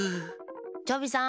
チョビさん！